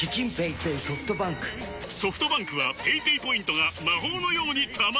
ソフトバンクはペイペイポイントが魔法のように貯まる！